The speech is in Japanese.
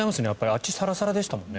あっち、サラサラでしたもんね。